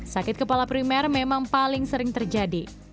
sakit kepala primer memang paling sering terjadi